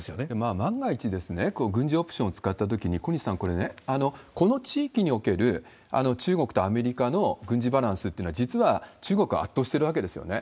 万が一、軍事オプションを使ったときに、小西さん、これね、この地域における中国とアメリカの軍事バランスというのは、実は中国が圧倒してるわけですよね。